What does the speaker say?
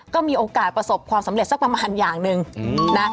ก็มีโอกาสประสบความสำเร็จสักประมาณอย่างหนึ่งนะ